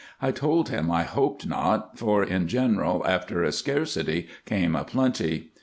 I told him I hoped not, for, in general, after a scarcity came a plenty.